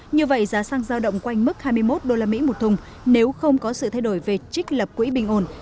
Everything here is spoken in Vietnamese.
như vậy giá xăng giao động quanh mức hai mươi một usd một thùng nếu không có sự thay đổi về trích lập quỹ bình ổn